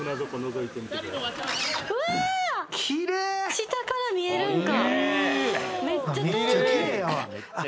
下から見えるんか。